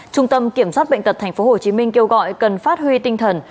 trung tâm kiểm soát bệnh tật tp hcm kêu gọi cần phát huy tinh thần